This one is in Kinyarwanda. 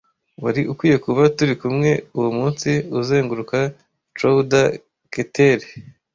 Wari ukwiye kuba turi kumwe uwo munsi uzenguruka chowder-keteti.